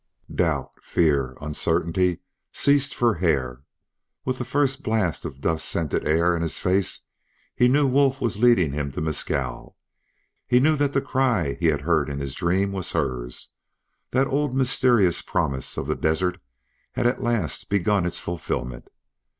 Doubt, fear, uncertainty ceased for Hare. With the first blast of dust scented air in his face he knew Wolf was leading him to Mescal. He knew that the cry he had heard in his dream was hers, that the old mysterious promise of the desert had at last begun its fulfilment.